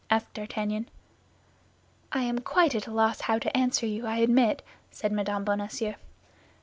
asked D'Artagnan. "I am at quite a loss how to answer you, I admit," said Mme. Bonacieux.